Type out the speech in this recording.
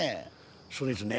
そうですね。